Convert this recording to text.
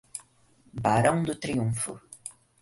Barão do Triunfo